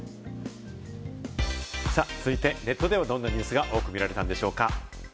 続いてネットではどんなニュースが多く見られたんでしょうか？